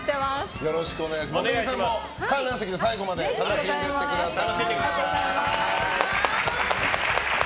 茂木さんも観覧席で最後まで楽しんでいってください。